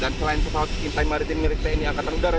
dan selain pesawat kintai maritim milik tni angkatan udara